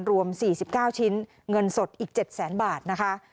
รวมสี่สิบเก้าชิ้นเงินสดอีกเจ็ดแสนบาทนะคะ